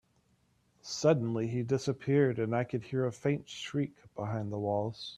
Suddenly, he disappeared, and I could hear a faint shriek behind the walls.